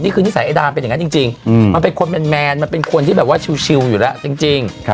นี่คือนิสัยไอดาเป็นอย่างนั้นจริงมันเป็นคนแมนมันเป็นคนที่แบบว่าชิวอยู่แล้วจริง